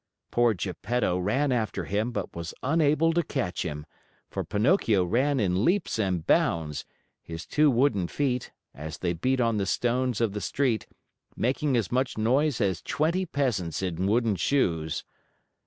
Poor Geppetto ran after him but was unable to catch him, for Pinocchio ran in leaps and bounds, his two wooden feet, as they beat on the stones of the street, making as much noise as twenty peasants in wooden shoes.